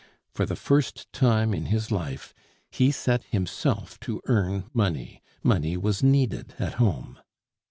For the first time in his life he set himself to earn money; money was needed at home.